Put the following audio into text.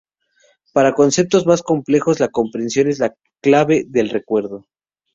Para conceptos más complejos, la comprensión es la clave del recuerdo.